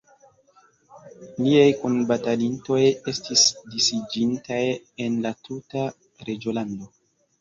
Liaj kunbatalintoj estis disiĝintaj en la tuta reĝolando.